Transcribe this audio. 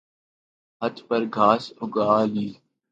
ھت پر گھاس اگا لی